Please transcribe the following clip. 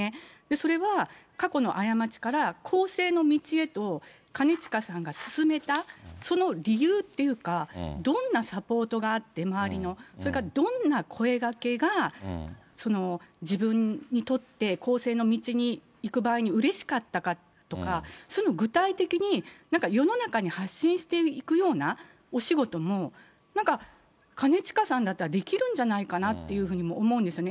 それは、過去の過ちから更生の道へと兼近さんが進めたその理由っていうか、どんなサポートがあって、周りの、それからどんな声がけが自分にとって、更生の道に行く場合にうれしかったかとか、そういうのを具体的に、なんか世の中に発信していくようなお仕事も、なんか兼近さんだったらできるんじゃないかなっていうふうにも思うんですよね。